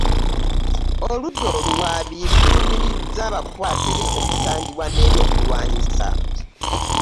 Oludda oluwaabi lulumiriza abakwate okusangibwa n'ebyokulwanyisa